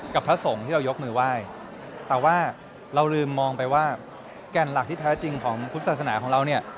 พระสงฆ์ที่เรายกมือไหว้แต่ว่าเราลืมมองไปว่าแก่นหลักที่แท้จริงของพุทธศาสนาของเราเนี่ย